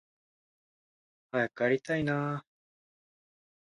早く帰りたいなあ